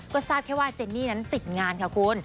ก็ทราบแค่ว่าเจนนี่นั้นติดงานค่ะคุณ